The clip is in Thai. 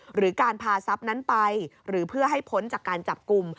หรือการพาทรัพย์นั้นไปหรือเพื่อให้พ้นจากการจับกลุ่ม